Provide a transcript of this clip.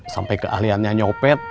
sampai keahliannya nyopet